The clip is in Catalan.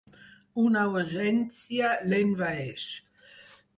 Una urgència l'envaeix.